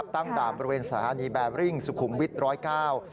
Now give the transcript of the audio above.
ตั้งด่านบริเวณสถานีแบริ่งสุขุมวิทย์ร้อยเก้า